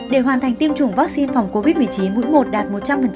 để hoàn thành tiêm chủng vaccine phòng covid một mươi chín mũi một đạt một trăm linh